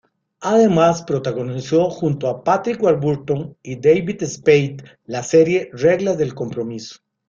Además, protagonizó junto a Patrick Warburton y David Spade la serie Reglas de Compromiso.